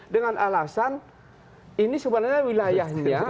dengan alasan ini sebenarnya wilayahnya